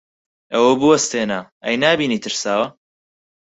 ئەوە بوەستێنە! ئەی نابینی ترساوە؟